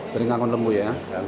dari anggora lembu ya